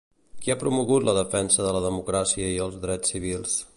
Qui ha promogut la defensa de la democràcia i els drets civils?